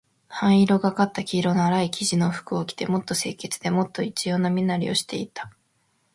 灰色がかった黄色のあらい生地の服を着て、もっと清潔で、もっと一様な身なりをしていた。上衣はだぶだぶで、ズボンはぴったりしている。